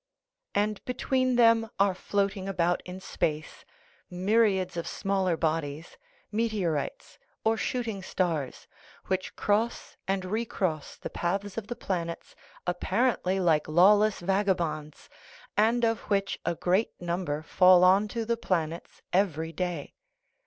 And between them are floating about in space myriads of smaller bodies, meteorites, or shooting stars, which cross and recross the paths of the planets apparently like lawless vaga bonds, and of which a great number fall onto the plan ets every day.